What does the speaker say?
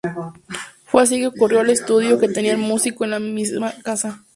Fue así que recurrió al estudio que tenía el músico en la misma casa.